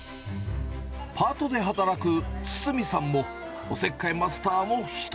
パートで働く堤さんもおせっかいマスターの一人。